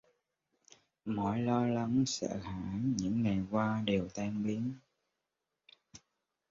Mọi lo lắng sợ hãi những ngày qua đều tan biến